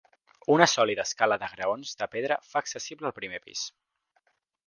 Una sòlida escala de graons de pedra fa accessible el primer pis.